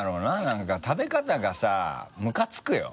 何か食べ方がさムカつくよ。